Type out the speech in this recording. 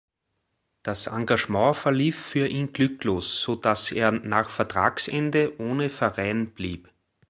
Das Engagement verlief für ihn glücklos, so dass er nach Vertragsende ohne Verein blieb.